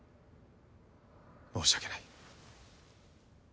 申し訳ない。